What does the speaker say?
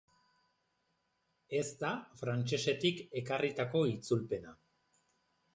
Ez da frantsesetik ekarritako itzulpena.